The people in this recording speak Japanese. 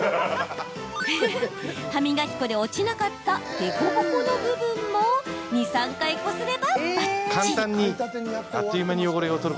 歯磨き粉で落ちなかった凸凹の部分も２、３回こすれば、ばっちり。